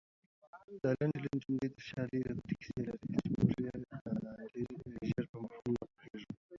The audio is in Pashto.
دالنډې جملې ترشا لويې کيسې لري، چې دلته يې يوه کيسه لنډه ليکو